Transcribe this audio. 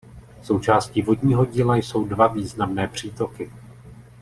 Součástí vodního díla jsou dva významné přítoky.